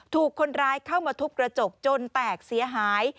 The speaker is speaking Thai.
ถูกคนร้ายเข้ามาทุบกระจกจนแตกเสียหาย